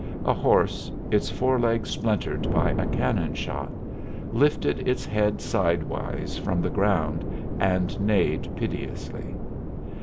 A horse, its foreleg splintered by a cannon shot, lifted its head sidewise from the ground and neighed piteously.